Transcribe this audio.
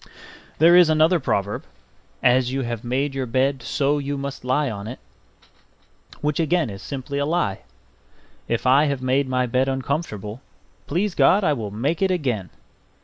There is another proverb, "As you have made your bed, so you must lie on it"; which again is simply a lie. If I have made my bed uncomfortable, please God I will make it again.